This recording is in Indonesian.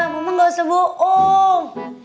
mama enggak usah bohong